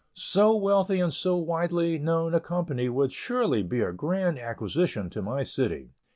So wealthy and so widely known a company would surely be a grand acquisition to my city.